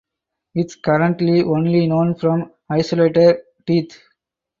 It is currently only known from isolated teeth.